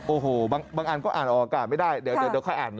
โอ้โหบางอันก็อ่านออกอากาศไม่ได้เดี๋ยวค่อยอ่าน